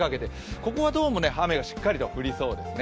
ここはどうも雨がしっかりと降りそうですね。